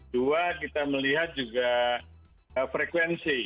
dua kita melihat juga frekuensi